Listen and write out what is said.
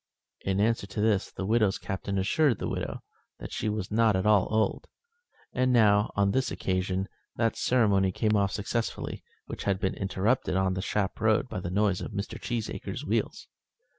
In answer to this the widow's Captain assured the widow that she was not at all old; and now, on this occasion, that ceremony came off successfully which had been interrupted on the Shap road by the noise of Mr. Cheesacre's wheels.